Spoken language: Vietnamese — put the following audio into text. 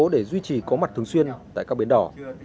để duy trì có mặt thường xuyên tại các bến đỏ